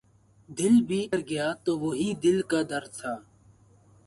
دل بھی اگر گیا تو وہی دل کا درد تھا